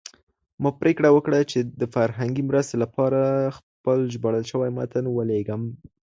ما پرېکړه وکړه چې د فرهنګي مرستې لپاره خپل ژباړل شوی متن ولیږم.